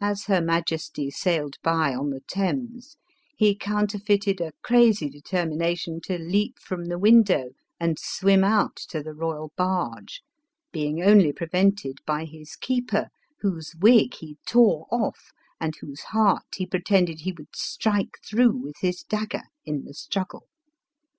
As her majesty sailed by on the Thames, he counterfeited a crazy determination to leap from the window and swim out to the royal barge, being only prevented by his keeper, whose wig he tore off, and whose heart he pre tended he would strike through with his dagger, in the struggle.